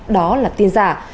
đó là tin giả